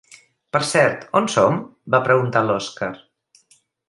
Per cert, on som? —va preguntar l'Oskar.